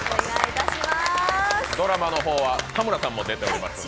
ドラマの方は田村さんも出ておりますので。